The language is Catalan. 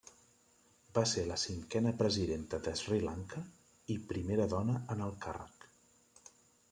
Va ser la cinquena presidenta de Sri Lanka i primera dona en el càrrec.